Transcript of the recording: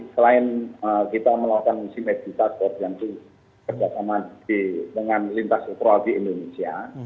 selain kita melakukan simetrikan untuk bergantung kerja sama dengan lintas ekologi indonesia